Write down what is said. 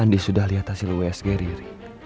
andi sudah lihat hasil wsg riri